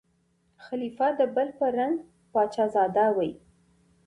خلیفه د بل په رنګ پاچا زاده وي